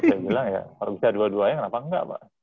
saya bilang ya kalau bisa dua duanya kenapa enggak pak